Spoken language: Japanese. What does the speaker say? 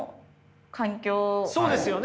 そうですよね！